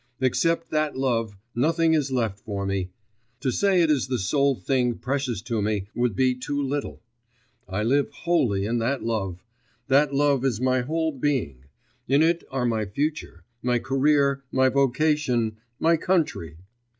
Except that love, nothing is left for me; to say it is the sole thing precious to me, would be too little; I live wholly in that love; that love is my whole being; in it are my future, my career, my vocation, my country!